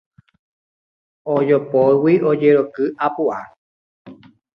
Ojopógui ojeroky apuʼa.